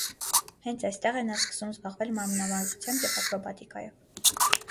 Հենց այստեղ է նա սկսում զբաղվել մարմնամարզությամբ և ակրոբատիկայով։